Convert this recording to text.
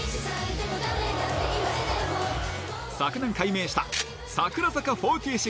昨年改名した櫻坂４６。